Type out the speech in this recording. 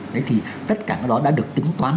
thế thì tất cả cái đó đã được tính toán